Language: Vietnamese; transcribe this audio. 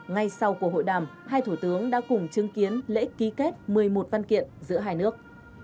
ngay sau cuộc hội đàm hai thủ tướng đã cùng chứng kiến lễ ký kết một mươi một văn kiện giữa hai nước